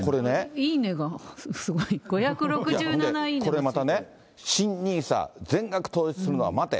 いいねがすごい、これまたね、新ＮＩＳＡ、全額投資するのは待て！